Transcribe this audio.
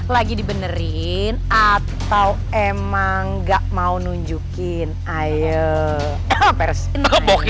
lagi dibenerin atau emang gak mau nunjukin ayo persin